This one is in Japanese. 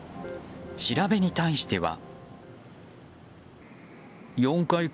調べに対しては。